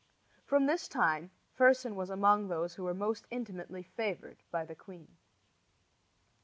From this time Fersen was among those who were most intimately favored by the queen.